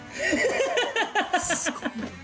すごいよ。